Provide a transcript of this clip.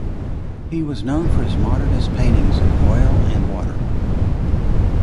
He was known for his modernist paintings in oil and water.